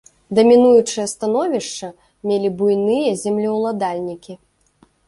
Дамінуючае становішча мелі буйныя землеўладальнікі.